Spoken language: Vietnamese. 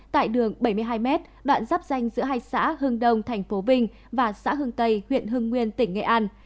tại đường bảy mươi hai m đoạn dắp danh giữa hai xã hưng đông tp vinh và xã hưng tây huyện hưng nguyên tỉnh nghệ an